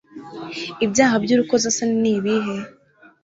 ibyaha by'urukozasoni ni ibihe